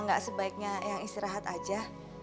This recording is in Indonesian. nggak sebaiknya yang istirahat aja